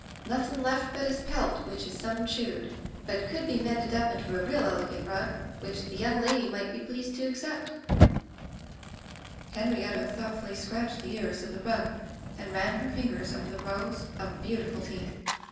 'Nothing left but his pelt, which is some chewed, but could be mended up into a real elegant rug, [ i6i ] Digitized by LjOOQ IC Interventions which the young lady might be pleased to accept/ "' Henrietta thoughtfully scratched the ears of the rug, and ran her fingers over the rows of beautiful teeth.